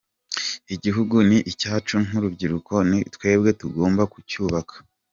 Igihugu ni icyacu nk’urubyiruko ni twebwe tugomba kucyubaka.